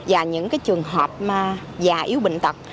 và những trường hợp già yếu bệnh tật